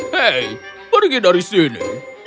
hei pergi dari sini